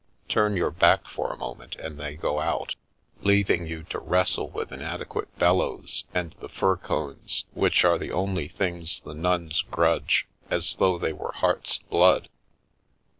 Turn your back for a moment and they go out, leaving you to wrestle with inadequate bellows and the fir cones, which are the only things the nuns grudge, as though they were heart's blood.